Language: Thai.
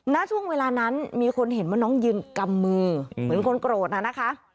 ณช่วงเวลานั้นมีคนเห็นว่าน้องยืนกำมือเหมือนคนโกรธน่ะนะคะ